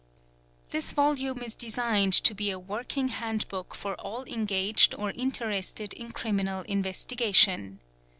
_ This volume is designed to be a working hand book for all engaged or interested in Criminal Investigation.